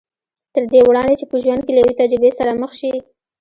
تر دې وړاندې چې په ژوند کې له يوې تجربې سره مخ شي.